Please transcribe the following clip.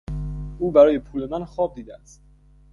او برای پول من خواب دیده است.